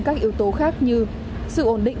các yếu tố khác như sự ổn định